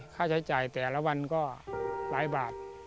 ค่าใช้จ่ายแต่ละวันก็หลายบาท